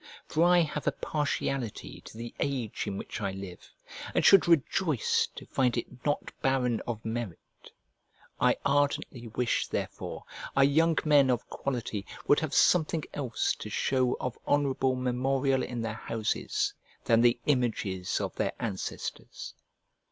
for I have a partiality to the age in which I live, and should rejoice to find it not barren of merit. I ardently wish, therefore, our young men of quality would have something else to show of honourable memorial in their houses than the images of their ancestors.